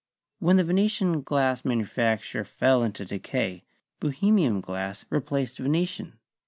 When the Venetian glass manufacture fell into decay, Bohemian glass replaced Venetian.